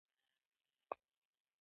هوا ډيره ښه ده.